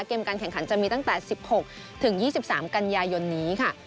การแข่งขันจะมีตั้งแต่๑๖ถึง๒๓กันยายนนี้ค่ะ